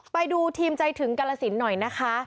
ไปดูทีมใจถึงกาลสินหน่อยนะคะ